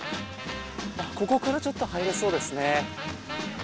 ここからちょっと入れそうですね。